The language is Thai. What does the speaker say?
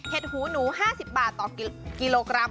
หูหนู๕๐บาทต่อกิโลกรัม